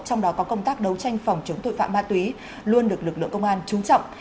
trong đó có công tác đấu tranh phòng chống tội phạm ma túy luôn được lực lượng công an trú trọng